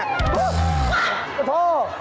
โอ้โธ่